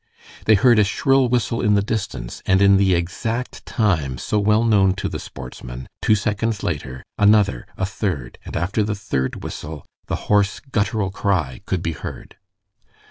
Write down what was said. They heard a shrill whistle in the distance, and in the exact time, so well known to the sportsman, two seconds later—another, a third, and after the third whistle the hoarse, guttural cry could be heard.